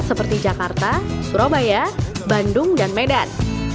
seperti jakarta surabaya bandung dan medan